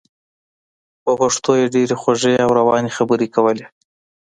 په پښتو یې ډېرې خوږې او روانې خبرې کولې.